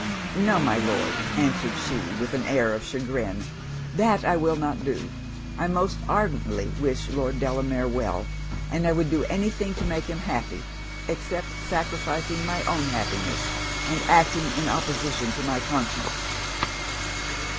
'No, my Lord,' answered she, with an air of chagrin, 'that I will not do! I most ardently wish Lord Delamere well, and would do any thing to make him happy except sacrificing my own happiness, and acting in opposition to my conscience.'